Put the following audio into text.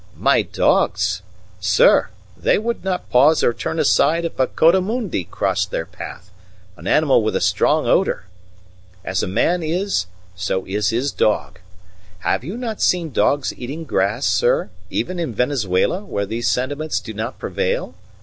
"My dogs? Sir, they would not pause or turn aside if a coatimundi crossed their path an animal with a strong odour. As a man is, so is his dog. Have you not seen dogs eating grass, sir, even in Venezuela, where these sentiments do not prevail?